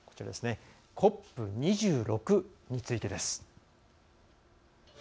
ＣＯＰ２６についてです。